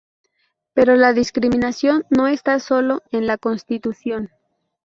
Pero la discriminación no está sólo en la constitución.